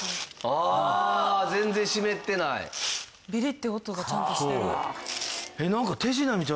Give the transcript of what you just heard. ビリッて音がちゃんとしてる。